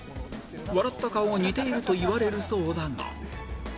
笑った顔が似ていると言われるそうだが